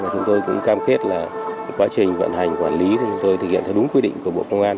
chúng tôi cũng cam kết là quá trình vận hành quản lý thì chúng tôi thực hiện theo đúng quy định của bộ công an